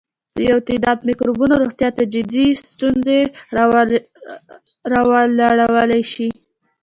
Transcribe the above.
یو تعداد مکروبونه روغتیا ته جدي ستونزې راولاړولای شي.